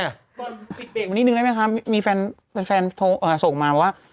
ผิดเปรกหนึ่งนึงได้ไหมคะมีแฟนโทรโส่งมาว่า